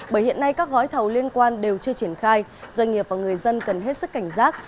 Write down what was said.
bởi hiện nay các gói thầu liên quan đều chưa triển khai doanh nghiệp và người dân cần hết sức cảnh giác